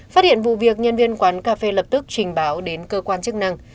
phát hiện vụ việc nhân viên quán cà phê lập tức trình báo đến cơ quan chức năng